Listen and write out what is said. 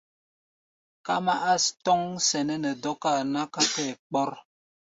Ká mɛ́ á tɔ́ŋ sɛnɛ́ nɛ dɔ́káa ná ká tɛ́ɛ kpɔ́r.